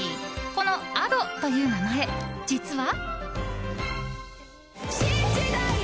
このアドという名前、実は。